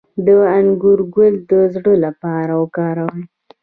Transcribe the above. د انګور ګل د زړه لپاره وکاروئ